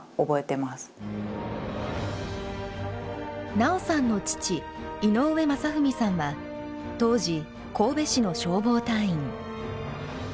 奈緒さんの父井上雅文さんは当時神戸市の消防隊員。